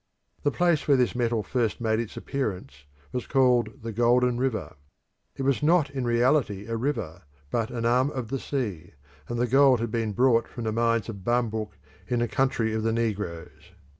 The place where this metal first made its appearance was called the Golden River. It was not in reality a river but an arm of the sea, and the gold had been brought from the mines of Bambouk in the country of the negroes.